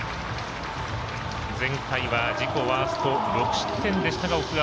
前回は、自己ワースト６失点でした、奥川。